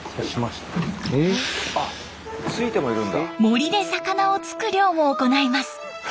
モリで魚を突く漁も行います。